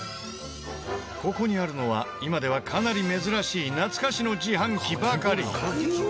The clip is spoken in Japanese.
ここにあるのは今ではかなり珍しい懐かしの自販機ばかり。